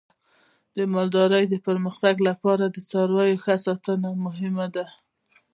د مالدارۍ د پرمختګ لپاره د څارویو ښه ساتنه مهمه ده.